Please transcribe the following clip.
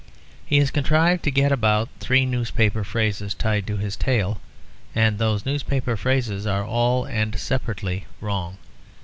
He has contrived to get about three newspaper phrases tied to his tail; and those newspaper phrases are all and separately wrong.